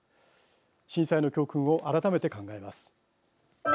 震災の教訓を改めて考えます。